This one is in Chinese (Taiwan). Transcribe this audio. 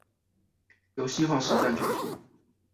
遊戲化實戰全書